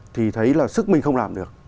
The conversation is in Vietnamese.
thì thấy là sức mình không làm được